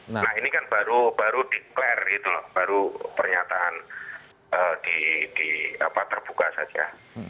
nah ini kan baru declare gitu loh baru pernyataan terbuka saja